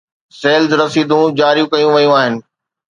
Sales رسيدون جاري ڪيون ويون آهن.